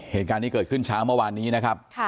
เหตุการณ์นี้เกิดขึ้นเช้าเมื่อวานนี้นะครับ